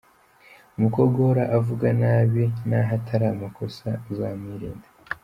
Umukobwa uhora avuga nabi n'ahatari amakosa uzamwirinde.